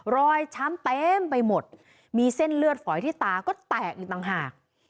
ช้ำเต็มไปหมดมีเส้นเลือดฝอยที่ตาก็แตกอีกต่างหาก